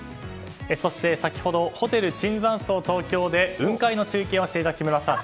そして先ほどホテル椿山荘東京で雲海の中継をしていた木村さん